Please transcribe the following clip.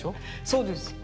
そうです。